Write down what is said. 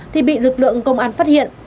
thì bị lực lượng công an phát hiện